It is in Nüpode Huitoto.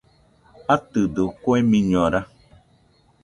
¿Atɨdo kue miñora?